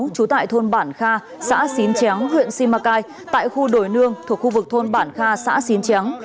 trú tại thôn bản kha xã xín chéo huyện simacai tại khu đồi nương thuộc khu vực thôn bản kha xã xín tráng